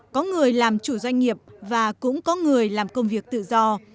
có người làm chủ doanh nghiệp và cũng có người làm công việc tự do